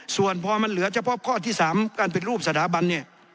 ส่วนพอมันเหลือเฉพาะข้อที่๓การเป็นรูปสถาบันเนี่ย